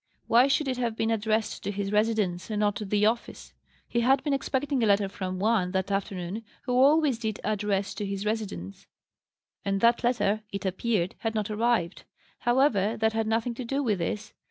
Why should it have been addressed to his residence, and not to the office? He had been expecting a letter from one, that afternoon, who always did address to his residence: and that letter, it appeared, had not arrived. However, that had nothing to do with this.